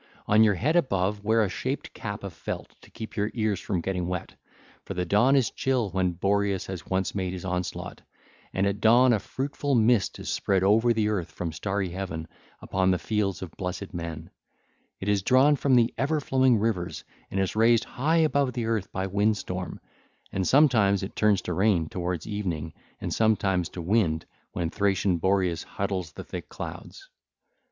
On your head above wear a shaped cap of felt to keep your ears from getting wet, for the dawn is chill when Boreas has once made his onslaught, and at dawn a fruitful mist is spread over the earth from starry heaven upon the fields of blessed men: it is drawn from the ever flowing rivers and is raised high above the earth by windstorm, and sometimes it turns to rain towards evening, and sometimes to wind when Thracian Boreas huddles the thick clouds.